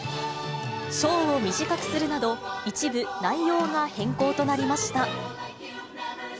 ショーを短くするなど、一部、内容が変更となりました。